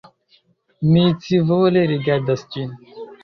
Mi scivole rigardas ĝin.